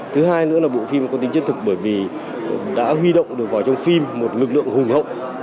thứ hai nữa là bộ phim có tính chân thực bởi vì đã huy động được vào trong phim một lực lượng hùng hậu